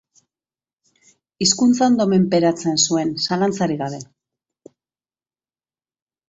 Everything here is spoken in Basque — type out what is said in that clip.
Hizkuntza ondo menperatzen zuen, zalantzarik gabe.